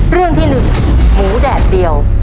เรื่องที่๑หมูแดดเดียว